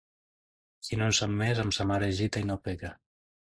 Qui no en sap més, amb sa mare es gita i no peca.